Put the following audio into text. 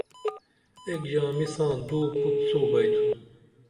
ایک ژامی ساں دُو پُت سو بیئتُھن